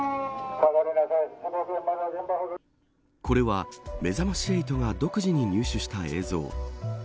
これは、めざまし８が独自に入手した映像。